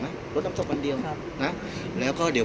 พี่อัดมาสองวันไม่มีใครรู้หรอก